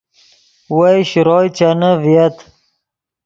وئے شروئے چینے ڤییت